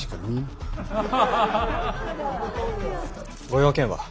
ご用件は。